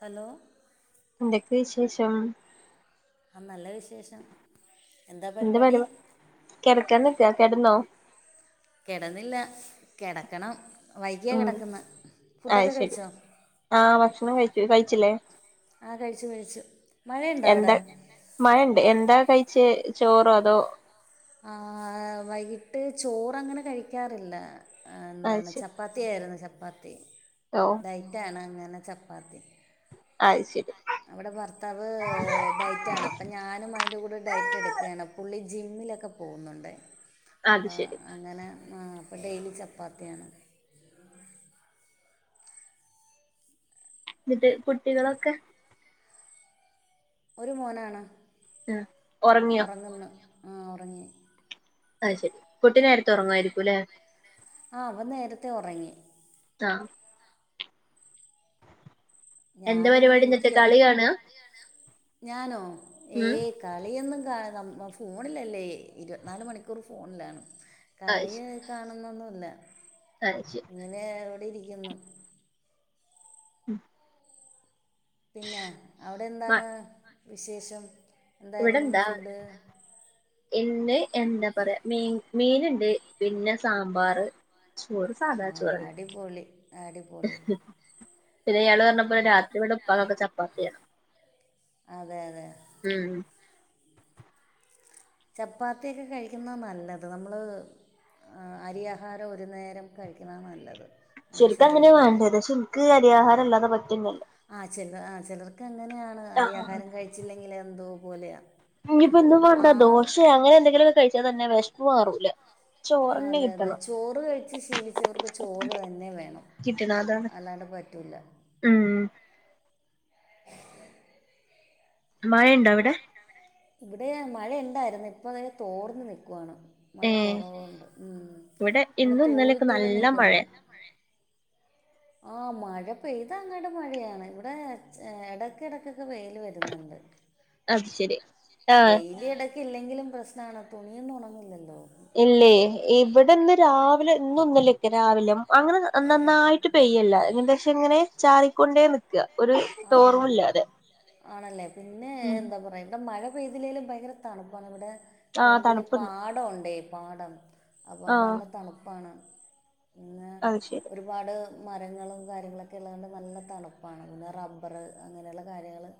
Hello. എന്തൊക്ക് വിശേഷം. ആ നല്ല വിശേഷം...... എന്താ എന്ത് പരിപാടി [unintelligible] കിടക്കന്നിക്കാ, കിടന്നോ കിടന്നില്ല കിടക്കണം. വൈകിയാ ഉം കിടക്കുന്ന ആഹ് ഫുഡൊക്കെ കയിച്ചോ. ലെ. ആ കഴിച്ചു കഴിച്ചു മഴണ്ടോ അവിടെ.... എന്താ മഴണ്ട് എന്താ കഴിച്ച ചോറോ അതോ. ആ വൈകിട്ട് ചോറങ്ങനെ കഴിക്കാറില്ല അത് എന്താണ് ശരി ചപ്പാത്തിയായിരുന്നു ചപ്പാത്തി ഓ ഡൈറ്റാണ് അങ്ങനെ ചപ്പാത്തി...... ശെരി അവടെ ഭർത്താവ് ഡയറ്റ് ആണ് അപ്പ ഞാനും അതിൻ്റെ കൂടെ ഡയറ്റ് ഇടക്കാണ് പുള്ളി ജിമ്മിലൊക്കെ പോകുന്നുണ്ട് അപ്പ അത് ശരി അങ്ങനെ ആ അപ്പ ഡെയ്‌ലി ചപ്പാത്തിയാണ് എന്നിട്ട് കുട്ടികളൊക്കെ ഒരു മോനാണ് ആഹ് ഉറങ്ങിയോ ആഹ് ഉറങ്ങി അത് ശെരി കുട്ടി നേർത്തെ ഉറങ്ങുവായിരിക്കുലേ ആഹ് അവൻ നേരത്തെ ഉറങ്ങി ആഹ് എന്താ ഞാനിങ്ങനെ പരിപാടി എന്നിട്ട് ഇരിക്ക കളി കാണാ ഞാനോ ഉം ഏയ് കളി ഒന്നും കാണും നമ്മ ഫോണിലല്ലേ ഇരുപത്തിനാല് മണിക്കൂറും ഫോണിലാണ് അത് കളിയ് ശരി കാണൊ ന്നു ഒന്നുല്ല അത് ശരി ഇങ്ങനെ ഇവിടെ ഇരിക്കുന്നു ഉം പിന്നെ അവിടെ മ എന്താണ് വിശേഷം എന്തായിരുന്നു ഇന്ന് ഇവിടെന്താ ഫുഡ് ഇന്ന് എന്താ പറയാ മീൻ മീൻ ഉണ്ട് പിന്നെ സാമ്പാർ ചോറ് ആ സാധ ചോറ് അടിപൊളി അടിപൊളി പിന്നെ ഇയാള് പറഞ്ഞപ്പോഴ രാത്രി ഇവിടെ ഉപ്പാക്കൊക്കെ ചപ്പാത്തിയാണ് അതെ അതെ ഉം ചപ്പാത്തിയൊക്കെ കഴിക്കുന്ന നല്ലത് നമ്മള് അരി ആഹാരം ഒരു നേരം കഴിക്കുന്നതാ നല്ലത് നമ്മുടെ ശരിക്കും അങ്ങനെ ശരീരത്തിന് വേണ്ടത് പക്ഷെ എനിക്ക് അരി ആഹാരം അല്ലാതെ പറ്റുന്നില്ല ആ ചില ആ ചിലർക്ക് അങ്ങനെയാണ് അരി ആഹാരം കഴിച്ചില്ലെങ്കില് എന്തോ പോലെയാ ഇനി ഇപ്പൊ ഒന്നും വേണ്ട ദോശയോ അങ്ങനെ എന്തെങ്കിലും ഒക്കെ കഴിച്ചാൽ തന്നെ വിശപ്പ് മാറൂല്ല ആഹ് അതെ അതെ ചോറ് കഴിച്ച് ശീലിച്ചവർക്ക് ചോറ് തന്നെ വേണം കിട്ടണം അതാണ് അല്ലാണ്ട് പറ്റില്ല ഉം [unintelligible] മഴയുണ്ടോ അവിടെ ഇവിടെ മഴ ഇണ്ടാരുന്നു ഇപ്പൊ ദേ തോർന്നു നിക്കുവാണ് മഴ ഏ കൊറവുണ്ട് ഉം ഇവിടെ ഇങ്ങനെ ഇന്നും തോളി ഇന്നലെയൊക്കെ തോളി നല്ല നിൽക്കുന്നു മഴയാ ആഹ് മഴ പെയ്ത അങ്ങാട് മഴയാണ് ഇവിടെ എടയ്ക്ക് എടയ്ക്കൊക്കെ വെയില് വരുന്നുണ്ട് അത് ശെരി ആഹ് എങ്കിലും പ്രശ്നമാണ് തുണി ഒന്നും ഒണങ്ങില്ലല്ലോ ഇല്ലേ ഇവിടെ ഇന്ന് രാവിലെ ഇന്നും ഇന്നലെയൊക്കെ രാവിലെ അങ്ങനെ നന്നായിട്ട് പെയ് യ്യൂല ഏകദേശം ഇങ്ങനെ ചരിക്കൊണ്ടേ നിക്ക ആഹ് ആണല്ലേ പിന്നെ ഉം എന്താ പറയാ എന്താ മഴ പെയ്തില്ലേലും ഭയങ്കര തണുപ്പാണ് നമ്മടെ ആഹ് ഫ്രണ്ടില് തണുപ്പുണ്ട് പാടം ഉണ്ടേ പാടം അപ്പൊ അവടെ ആഹ് നല്ല തണുപ്പാണ് പിന്നെ അത് ശെരി ഒരുപാട് മരങ്ങളും കാര്യങ്ങളൊക്കെ ഉള്ളത് കൊണ്ട് നല്ല തണുപ്പാണ് അത് പിന്നെ റബ്ബറ് അങ്ങനെ ഉള്ള കാര്യങ്ങള്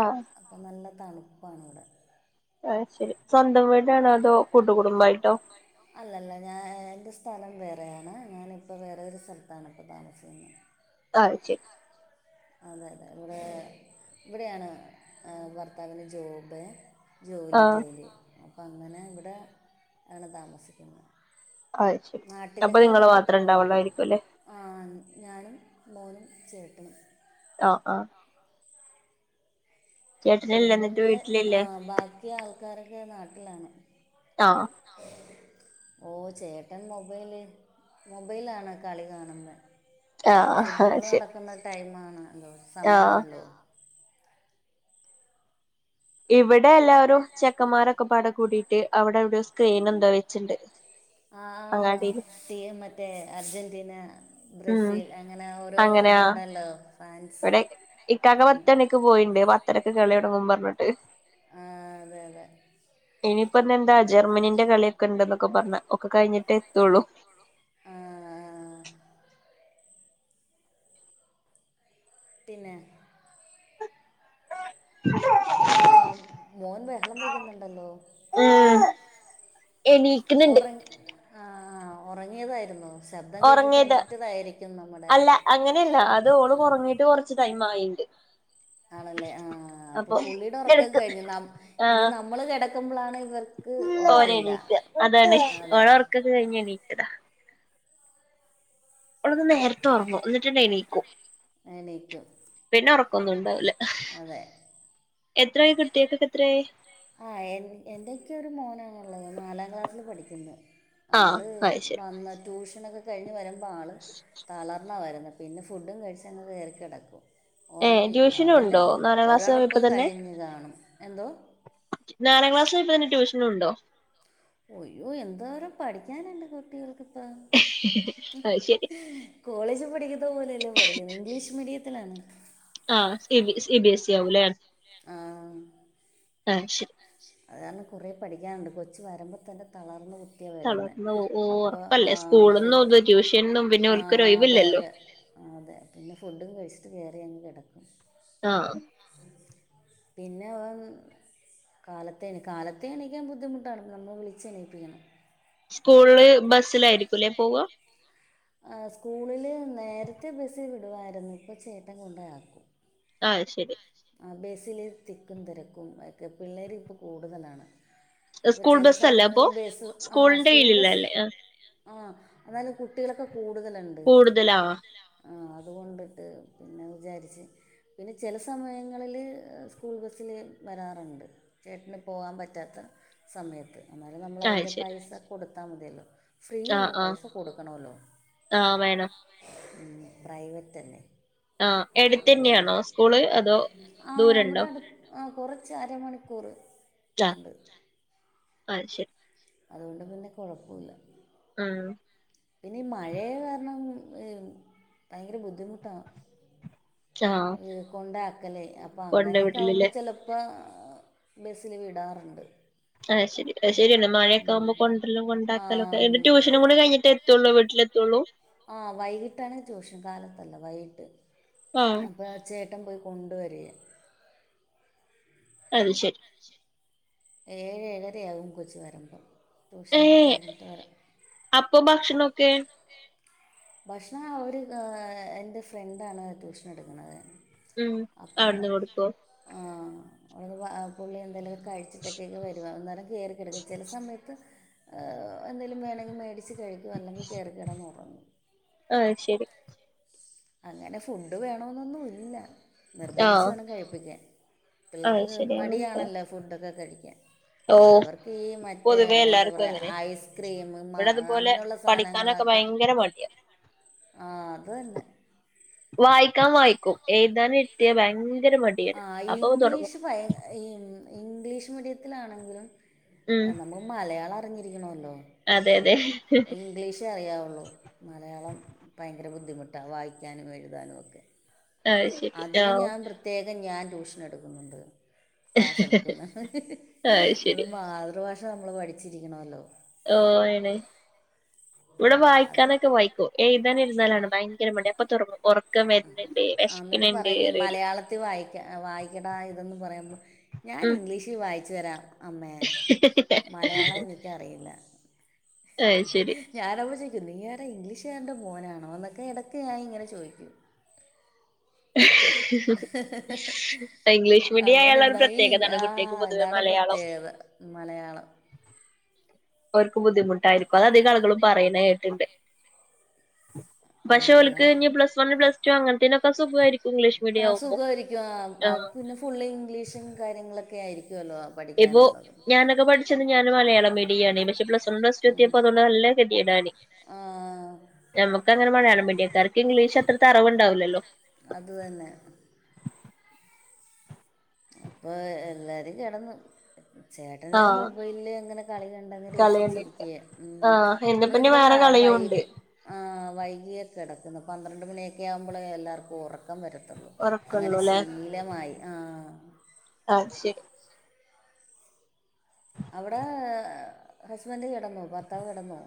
ആഹ് തണുപ്പാണ് ഇവിടെ അത് ശെരി സ്വന്തം വീടാണോ അതോ കൂട്ടുകുടുംബായിട്ടോ അല്ലല്ല ഞാൻ എൻ്റെ സ്ഥലം വേറെയാണ് ഞാനിപ്പൊ വേറെ ഒരു സ്ഥലത്താണ് ഇപ്പൊ താമസിക്കുന്നത് അത് ശെരി അതെ അതെ ഇവിടെ ഇവിടെയാണ് ഭർത്താവിന് ജോബ് ജോലി ആഹ് ജോലി അപ്പ അങ്ങനെ ഇവിടെ ആണ് താമസിക്കുന്നത് അത് ശരി അപ്പൊ നാട്ടിലൊക്കെ നിങ്ങള് ഇടക്ക് മാത്രം പോകും ഉണ്ടാവുള്ളായിരിക്കും അല്ലേ ആ ഞാനും മോനും ചേട്ടനും ആ ആ എന്നിട്ട് കുടുംബങ്ങള് ആ വീട്ടിലില്ലേ ബാക്കി ആൾക്കാരൊക്കെ നാട്ടിലാണ്. ആഹ് ഓ ചേട്ടൻ മൊബൈലിൽ മൊബൈലി ആണൊ കളി കാണുന്നെ ഇപ്പൊ ആഹ് ഫുട്ബോള് ശരി നടക്കുന്ന ടൈമ് ആണ് ലോ ആഹ് സമയണല്ലോ. ഇവിടെ എല്ലാരും ചെക്കന്മാരൊക്കെ പട കൂടിട്ട് അവിടെവിടെ സ്ക്രീൻ എന്തോ വെച്ചിണ്ട്. ആ അങ്ങാടിയില് റ്റീ മറ്റേ അർജെന്റ്റീന ഉം ബ്രസീൽ അങ്ങനെ ഓരോ അങ്ങനെയാ ഇത്ണ്ടല്ലോ ഫാൻസ് - - ഇവിടെപത്തരക്ക് കളി തുടങ്ങും പറഞ്ഞിട്ട് ആ അതെ അതെ ഇനിയിപ്പ ന്ന് എന്താ ജർമ്മനിന്റെ കളിയൊക്കെ ഉണ്ടന്നൊക്കെ പറഞ്ഞ് ഒക്കെ കഴിഞ്ഞിട്ടേ എത്തുള്ളൂ. ആ പിന്നെ ആ മോൻ ബഹളം വയ്ക്കുന്നുണ്ടല്ലോ. എണീക്ക്ണണ്ട്. ഉറങ്ങി ആ ആ ഉറങ്ങിയതായിരുന്നോ ശബ്ദം കേട്ടിട്ട് ഉറങ്ങിയത് എണീറ്റതായിരിക്കും നമ്മുടെ അല്ല അങ്ങനെയല്ല അത് ഓളും ഉറങ്ങിട്ട് കുറച്ചി ടൈം മായിണ്ട്. ആണല്ലേ ആ അപ്പൊ പുള്ളിയുടെ ഉറക്കൊക്കെ കഴിഞ്ഞു നമ് ഇനി നമ്മള് കിടക്കുമ്പോളാണ് ഇവർ ഓന് എണീക്കാ അതാണ് അതെ ഓള് ഒറക്കൊക്കെ കഴിഞ്ഞ് എണീറ്റതാ. ഓള് ന്ന് നേരത്തെ ഓറങ്ങു എന്നിട്ട് ന്ന് എണീക്കു എണീക്കും. ഇന് ഉറക്കൊന്നുണ്ടാവില്ല അതെ കുട്ടികൾക്കൊക്കെ എത്രയായി [unintelligible] ആ എ എന്തൊക്കെയൊ ഒരു മോനാണ് ഉള്ളത് നാലാം ക്ലാസ്സിൽ പഠിക്കുന്നു. ആ ആള് അത് ശരി വന്ന് ട്യൂഷനൊക്കെ കഴിഞ്ഞ് വരുമ്പോൾ ആൾ തളർന്നാ വരുന്ന് പിന്നെ ഫുഡും കഴിച്ചങ്ങ് കേറി കിടക്കും. ഏഹ്, ഉറങ്ങി ട്യൂഷനും അവൻ്റെ ഉണ്ടോ നാലാം ക്ലാസ്സിൽ ഒരൊറക്കവും ആയപ്പംതന്നെ കഴിഞ്ഞ് കാണും, എന്തോ? നാലാം ക്ലാസിൽ ഇപ്പതന്നെ ട്യൂഷനുണ്ടോ? ഒയ്യോ എന്തോരം പഠിക്കാന്ണ്ട് കുട്ടികൾക്ക് അത് ശെരിയാ കോളേജിൽ പഠിക്കുന്ന പോലെയല്ല പഠിക്കുന്നേ ഇംഗ്ലീഷ് മീഡിയത്തിലാണ്. ആഹ് C B, C B S C ആവൂലെ ആഹ് ആഹ് ശെര് അതാണെ കുറെ പഠിക്കാനുണ്ട്. കൊച്ചു വരുമ്പതന്നെ തളർന്ന് പോ ക്കെയാ വരുന്നെ തളർന്ന് പോവും ഓഹ് അപ്പോ ഒറപ്പല്ലേ ആഹ് സ്കൂളിന്നും ഫുഡ് ഇത് ട്യൂഷനും പിന്നെ ഓൽക്കൊരു [unintelligible] അതെ, ഒഴിവില്ലല്ലോ അതെ ആഹ് അതെ, പിന്നെ ഫുഡും കഴിച്ചിട്ട് കേറിയങ്ങ് കിടക്കും. ആഹ് പിന്നെ അവൻ കാലത്തെ എണീ കാലത്തെ എണീക്കാൻ ബുദ്ധിമുട്ടാണ്, നമ്മള് വിളിച്ച് എണീപ്പിക്കണം. സ്കൂളില് ബസ്സിലായിരിക്കും ല്ലേ പോവാ [unintelligible] ഇപ്പോ ചേട്ടൻ കൊണ്ടയാക്കും ആഹ് ശെരി. ബസ്സില് തിക്കും തിരക്കും ഒക്കെ, പിള്ളേര് ഇപ്പോ കൂടുതലാണ്. ഇപ്പോൾ സ്കൂൾ ചില ബസ്സല്ലേ അപ്പൊ? സമയങ്ങളിൽ ബസ് സ്കൂളിന്റെ കീഴിലല്ലേ--ആഹ് ആഹ്, എന്നാലും കുട്ടികളൊക്കെ കൂടുതലുണ്ട്. കൂടുതലാ കൂടുതലാവും അതുകൊണ്ട്ട്ട് പിന്നെ വിചാരിച്ച് പിന്നെ ചെല സമയങ്ങള്ല് ഏഹ് സ്കൂൾ ബസ്സില് വരാറുണ്ട്. ചേട്ടന് പോവാൻ പറ്റാത്ത സമയത്ത്, എന്നാലും ആഹ് നമ്മളതിന്റെ ശരി പൈസ കൊടുത്താ മതിയല്ലോ ഫ്രീയല്ല, ആഹ് ആഹ് പൈസ കൊടുക്ക്‌ണൊള്ളു, ആഹ് വേണം ഹ്മ്മ് പ്രൈവറ്റല്ലേ ആഹ്, എട്ത്തന്നെയാണോ സ്കൂള് അതോ ആഹ് ഇവിടെ ദൂരണ്ടോ? അടു ആഹ് കുറച്ച് അരമണിക്കൂറ്, ആഹ് ഉണ്ട്. ആഹ് ശെരി. അതുകൊണ്ട് പിന്നെ കൊഴപ്പുല്ല. ആഹ് പിന്നെ മഴെയന്ന് പറഞ്ഞാ ഏഹ്, ഭയങ്കര ബുദ്ധിമുട്ടാ ആഹ് ഹ്മ്മ് കൊണ്ടാക്കലേ അപ്പ കൊണ്ട് അങ്ങനെയൊക്കെ ആകുമ്പോ വിടലില്ലേ ചെലപ്പോ ഏഹ്, ബസ്സില് വിടാറ്ണ്ട്. ആഹഹ് ശെരി, അത് ശെരിയന്നെ മഴയൊക്കെ ആകുമ്പോ കൊണ്ടര്ലും കൊണ്ടാക്കലൊക്കെ, എനി ആഹ് ട്യൂഷനും കൂടി കഴിഞ്ഞിട്ടെ എത്തൊള്ളു വീട്ടില് ത്തൊള്ളു. ആഹ് വൈകിട്ടാണ് ട്യൂഷൻ, കാലത്ത് കാലതല്ല വൈകിട്ട്, അപ്പൊ ആഹ് ചേട്ടൻ പോയി കൊണ്ട് വര്യാണ്. അത് ശെരി. ഏഴ് ഏഴരയാകും കൊച്ച് ‌ വരുമ്പോൾ ഏഹ്, അപ്പം ഭക്ഷണൊക്കെ? ഭക്ഷണം അവര്, ഏഹ് എന്റെ ഫ്രണ്ടാണ് ട്യൂഷനെട്ക്ക്‌ണത് ഉം, അവിട്ന്ന് കൊടുക്കോ? [unintelligible] പുള്ളി എന്തെങ്കിലൊക്കെ കഴിച്ചിട്ടൊക്കെക്കാ വരുവാ, അന്നേരം കേറി കെടക്കും. ചെല സമയത്ത് ആഹ്, എന്തേലും വേണങ്കിൽ മേടിച്ച് കഴിക്കും, അല്ലെങ്കിൽ കയറി കെടന്ന് ഉറങ്ങും. ആഹ് ശെരി. അങ്ങനെ ഫുഡ് വേണന്നൊന്നും ഇല്ല. നിർബന്ധിച്ച് ആഹ് വേണം കഴിപ്പിക്കാൻ ആഹ് പിള്ളേക്ക് ശരി മടിയണല്ലോ ഫുഡൊക്കെ കഴിക്കാൻ ഓഹ് അവർക്ക് ഈ മറ്റേ പൊതുവേ എന്താ എല്ലാർക്കും പറയാ അങ്ങനെ ഐസ്ക്രീം, മാങ്ങ് അങ്ങനെയുള്ള സാധനങ്ങളാ പ്പം ഭയങ്കര മടിയാ ആഹ്, അത് തന്നെ വായിക്കാം വായിക്കും എഴുതാൻ ഇരുത്തിയാൽ ഭയം ആ ഇംഗ്ലീഷ് ഭയ ഈ ഇംഗ്ലീഷ് മീഡിയത്തിലാണെങ്കിലും? ഉം നമ്മൾ മലയാളം അറിഞ്ഞിരിക്കണല്ലോ. അതെ അതെ ഇംഗ്ലീഷ് അറിയാവുള്ളൂ മലയാളം ഭയ [unintelligible] ബുദ്ധിമുട്ടാ വായിക്കാനും എഴുതാനുമൊക്കെ അത് ശരി ആ അതിന് ഞാൻ പ്രത്യേക് ഞാൻ ടൂഷൻ എടുക്കുന്നുണ്ട്. ക്ലാസ് എടുക്കുന്നുണ്ട്. അത് ശരി നമ്മളെ മാതൃഭാഷ എല്ലാദും നമ്മള് പഠിച്ചിരിക്കണല്ലോ. ഓ ഇണെ ആ, ഇവിടെ അത് വായിക്കാനൊക്കെ വായിക്കോ എഴുതാനെല്ൽ ന്നാലാ ഭയങ്കര മടിയാ അപ്പ തുറങ്ങും ഒറക്ക ആ ന്നിട്ട് പറയും മലയാളത്തിൽ വായിക്ക വായിക്കെടാ ഇതെന്ന് പറയുമ്പോ ഞാൻ ഉം ഇംഗ്ലീഷിൽ വായിച്ചു തെരാം അമ്മേ.. മലയാളം എനിക്കറിയില്ല. അത് ശരി ഹ് ഞാനവൾ ചി നീ ആരാ ഇംഗ്ലീഷ്കാരന്റെ മോനാണോ എന്നൊക്കെ ഇടക്ക് ഞാൻ ഇങ്ങനെ ചോദിക്കും. [unintelligible] ഇംഗ്ലീഷ് മീഡിയം അങ്ങനെ അയാള ഒരു ഉണ്ടാവും ഈ ഇങ്- പ്രത്യേകതാണ് ആ കുട്ടികക്ക് പൊതുവേ ഇതാണ് മലയാളം പ്രത്യേകത മലയാളം. ഓർക്ക് ബുദ്ധിമുട്ടായിരിക്കും അത് അധികാളുകളും പറയ്ണെട്ട്ണ്ട് ആ, പക്ഷേ അങ്ങനെ ഓൽക്ക് ഇഞ്ഞ് പ്ലസ് ഒന്ന് പ്ലസ് ടൂ അങ്ങനത്തെയ്നെക്കെ സുഖായിരിക്കും ഇംഗ്ലീഷ് ആ മീഡിയം ആവുമ്പോ സുഖമായിരിക്കും ആ ആഹ് പിന്നെ ഫുള്ള് ഇംഗ്ലീഷും കാര്യങ്ങളൊക്കെ ആയിരിക്കും. ഇപ്പോഞാനൊക്കെ പഠിച്ചത് ഞാൻ മലയാളം മീഡിയ ആണ് പക്ഷെ പ്ലസ് ഞൻ പ്ലസ്റ്റു എത്തിയപ്പോ നല്ല ഗതിയടാണി. ആ നമുക്ക് അങ്ങനെ മലയാളം മീഡിയക്കാർക്ക് ഇംഗ്ലീഷ് അത്ര അറിവ്ണ്ടാവില്ലല്ലോ? അതു തന്നെ. അപ്പൊ എല്ലാരും കെടന്ന്. ചേട്ടന് ആഹ് മുകളിൽ ഇങ്ങനെ കളി കണ്ട് ങ്ങ നെ കളിയുണ്ട് രസിച്ചിരിക്ക ആഹ് ഇന്നിപ്പോ ഇനി നമ്മളിവിടെ വ വാ. വേറെ കളിയും വൈ് ഉണ്ട് വൈകിയാ കിടക്കുന്നത് പന്ത്രണ്ട് മണിയൊക്കെ ആകുമ്പോൾ എല്ലാവർക്കും ഉറക്ക് ഉറക്കം വരത്തുള്ളൂ അങ്ങനെ ഉറക്കള്ളൂല്ലേ ശീലമായി ആ പക്ഷെ അവിടെ ഹസ്ബൻറ്റ് കിടന്നോ ഭർത്താവ് കിടന്നോ?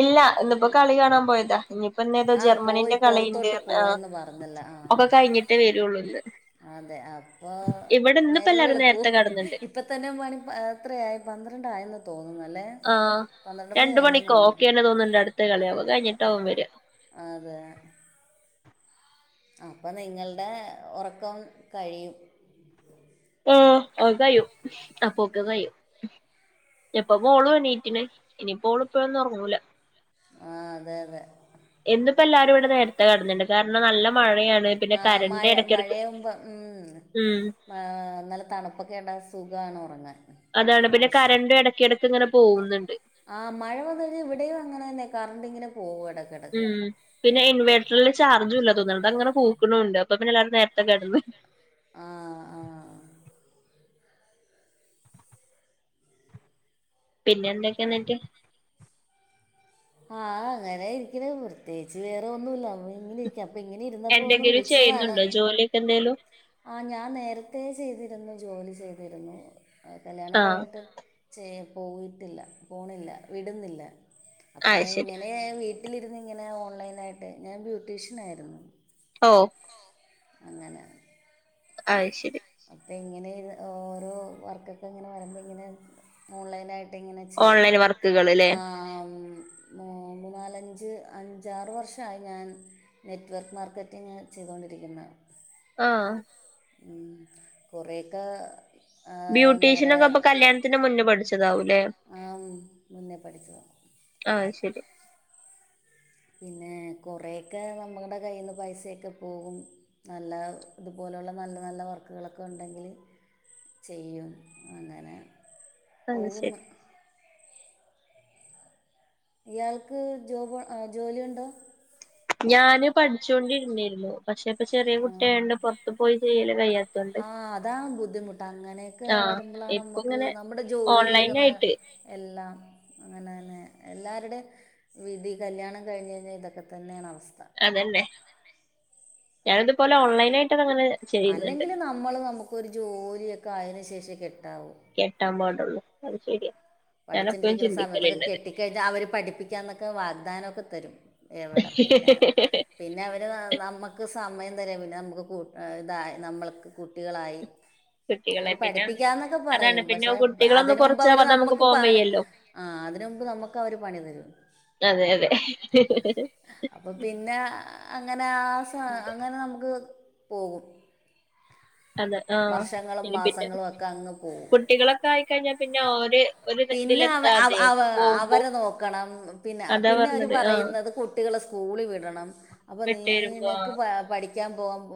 ഇല്ല ഇന്നിപ്പോ കളി കാണാൻ പോയതാ ഇഞ് പിന്നഏതോ ആ പോയി ജർമ്മനീന്റെ കളയിണ്ട് പുറത്തോട്ട് ആ പോയെന്ന് പറഞ്ഞല്ലോ ആ ഒക്കെ കഴിഞ്ഞിട്ടേ വരുള്ളൂ ഇന്ന് അതെ അപ്പൊ ഇവിടെ ഇന്നിപ്പോ എല്ലാരും നേരംവെളുക്കു നേരത്തെ കടന്നിണ്ട് ഇപ്പ തന്നെ മണി എത്രയായി പന്ത്ര ഉണ്ടായിന്ന്‌. ആഹ് രണ്ട് കഴിഞ്ഞെന്ന് മണിക്കോ തോന്നുന്നു ഓക്കെണ് തോന്നുണ്ട് അടുത്ത കളിയാവ അത് കഴിഞ്ഞിട്ടവും വരാ.. അതെ... അപ്പൊ നിങ്ങളുടെ ഉറക്കം കഴിയും. ആ ആ കയൂ അപ്പൊ ഒക്കെ കഴിയു. ഇപ്പം മോള് എണീറ്റ്ക്ക്ണ് ഇനി ഓള് ഇപ്പായെന്നും ഉറങ്ങൂല. വേറെ. ഇന്നിപ്പോ എല്ലാരും ഇവിടെ നേരത്തെ കിടന്ന്ക്ക്ണ് കാരണം നല്ല മഴയാണ്. പിന്നെ ആ കരണ്ട് മഴ എടക്കെടക്ക് മഴയാവും ബം ഉം. ഉം ആ് നല്ല തണുപ്പൊക്കെൺവുമ്പോ സുഖണ് ഉറങ്ങാൻ അതാണ് പിന്നെ കരണ്ട് ഇടക്കിടക്ക് ഇങ്ങനെ പോകുന്നുണ്ട്. ആഹ മഴ വന്ന ഇവിടെയും അങ്ങനെ തന്നെ കറണ്ട് ഇങ്ങനെ പോവാണ്. ഉം പിന്നെ ഇൻവേർട്ടറില് ചാർജും ഇല്ല തോന്ന്ണ്. അങ്ങനെ പൂക്ക്ണു ഉണ്ട് അപ്പൊ പിന്നെ എല്ലരും നേരത്തെ കിടന്ന്. ആ ആ. പിന്നെ എന്തൊക്കെയ ന്നട്ട്? ആഹ അങ്ങനൊയിരിക്കണ് പ്രത്യേകിച്ച് വേറെ ഒന്നുല്ല അപ്പോ പി ഇങ്ങനെ ഇരിക്കാം അപ്പൊ ഇങ്ങനെ ഇരുന്നപ്പോ ഒന്ന് എന്തെങ്കിലും വിളിച്ചതാണ്.. ചെയ്യുന്നുണ്ടോ ജോലിയൊക്കെ എന്തേലും ആ ഞാൻ നേരത്ത ചെയ്തിരുന്നു.. ജോലി ചെയ്തിരുന്നു കല്ല്യാണം ആഹ് കഴിഞ്ഞിട്ട് ചെയ്യ.. പോയിട്ടില്ല പോണില്ല വിടുന്നില്ല അപ്പം അത് ശരി ഇങ്ങനെ വീട്ട.. വീട്ടിലിരുന്ന്ങ്ങനെ ഓൺലൈനായിട്ട് ഞാൻ ബ്യൂട്ടീഷ്യൻന്നയിരുന്നു... ഒ.. അങ്ങനെ.. അ ശരി.. അപ്പോം ഇങ്ങനെ ഓരോ വർക്കൊക്കെ ഇങ്ങനെ വരുമ്പോൾ ഇങ്ങനെ ഓൺലൈനായിട്ട്... ചൈതു ഓൺലൈൻ വർക്കുകള് ല്ലേ ആ ഉം മുന്ന് നാല് അഞ്ച്... അഞ്ച് അഞ്ചാറ് വർഷമായി ഞാൻ നെറ്റ് വർക്ക് മാർക്കറ്റിംഗ് ചെയ്തുകൊണ്ടിരിക്കുന്നത്.. ആ... കുറെയൊക്കെ... ബ്യൂട്ടീഷ്യനൊക്കെ അപ്പൊ കല്യാണത്തിന് മുന്നേ പഠിച്ചതാവൂല്ലേ... ആ മുന്നേ പഠിച്ചതാ... ആ ശരി... പിന്നെ കൊറയൊക്കെ നമ്മടെ കയ്യിൽന്ന് പൈസൊക്കെ പോകും നല്ല ഇതുപോലെ... ഇത് പോലുള്ള നല്ല നല്ല വർക്കുകളൊക്കെ ഉണ്ടെങ്കിൽ ചെയ്യും അങ്ങനെ.. അത് പോവും ശരി ന്ന്.. ഇയാൾക്ക് ജോബ് ജോലിയുണ്ടോ... ഞാന് പഠിച്ചൊണ്ടിരുന്നിരുന്നു പക്ഷെ ഇപ്പ ചെറിയ കുട്ടിയായോണ്ട് ആ പൊറത്ത്പോയി ചെയ്യല് കയ്യാത്തോണ്ട് ആ വരുമ്പൊളാണ് നമുക്ക് നമ്മുടെ ജോലിയൊക്കെ ആയിട്ട് എല്ലാം അങ്ങനെ തന്നെ എല്ലാരുടേം വിധി കല്യാണം കഴിഞ്ഞ് കഴിഞ്ഞാൽ ഇതൊക്കെ തന്നെയാണ് അവസ്ഥ അതല്ലെ ഞാനിതുപോലെ ഓൺലൈനായിട്ട് അല്ലെങ്കിൽ നമ്മള് നമുക്കൊരു ജോലിയൊക്കെ ആയതിനു ശേഷേ കെ കെട്ടാൻ പാടുള്ളൂ അത് ശെരിയാ പഠിച്ചൊണ്ടിരിക്ക്ണ സമയത്തൊക്കെ കെട്ടിക്കഴിഞ്ഞാ അവര് പഠിപ്പിക്കാന്നൊക്കെ വാഗ്ദാനൊക്കെ തരും എവിടപ്പിന്നെ പിന്നെ അവര് നമ്മുക്ക് സമയം താരേംഇല്ല പിന്നെ നമുക്ക് കു ഇതായി നമ്മൾക്ക് കുട്ടികളായി കുട്ടികളെ അവര് പിന്നെ പഠിപ്പിക്കാന്നൊക്കെ അതാണ് പറയും പക്ഷെ പിന്നെ കുട്ടികളൊന്ന് അതിന് മുമ്പ് അവര് കൊറച്ചാവാതെ നമുക്ക് നമ്മുക്ക് പോവാൻ ആണ് വയ്യല്ലോ ആ അതിനുമ്പ് നമുക്ക് അവര് പണി തരും അതെ അതെ അപ്പൊ പിന്നെ അങ്ങനെ ആ സ അങ്ങനെനമുക്ക് പോകും അതെ ആ വർഷങ്ങളും ഇനിപിന്നെ മാസങ്ങളും ഒക്കെ അങ്ങ് പോകും കുട്ടികളൊക്കായിക്കഴിഞ്ഞാൽ പിന്നെ ഓര് ഒരു പിന്നെ അവ ഇതിലെത്താതെ അവ പോകുമ്പോ അവരെ നോക്കണം പിന്നെ അതാ പിന്നെ അവര് പറഞ്ഞത് ആഹ് പറയുന്നത് കുട്ടികള് സ്കൂളി വിടണം അപ്പൊ വിട്ട് വരുമ്പോ നിനക്ക് ആഹ് പഠിക്കാൻ പോകാൻ